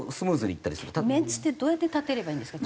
メンツってどうやって立てればいいんですか？